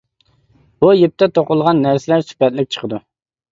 بۇ يىپتا توقۇلغان نەرسىلەر سۈپەتلىك چىقىدۇ.